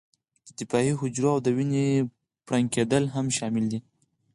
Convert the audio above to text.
د دفاعي حجرو او د وینې پړن کېدل هم شامل دي.